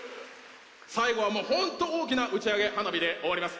最後は本当に大きな打ち上げ花火で終わります